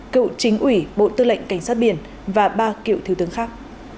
cựu chính ủy bộ tư lệnh cảnh sát biển và ba cựu thiếu tướng khác